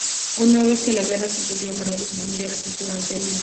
Una vez que la guerra concluyó Emanuel y su familia retornaron a Italia.